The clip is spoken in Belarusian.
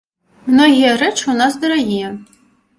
Многія рэчы ў нас дарагія.